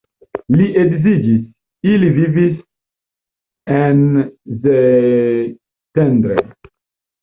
Li edziĝis, ili vivis en Szentendre.